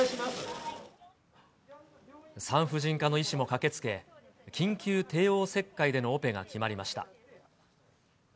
産婦人科の医師も駆けつけ、緊急帝王切開でのオペが決まりました。